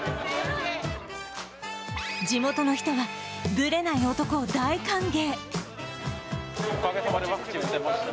地元の人は、ブレない男を大歓迎。